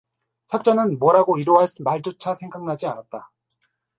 첫째는 뭐라고 위로할 말조차 생각나지 않았다.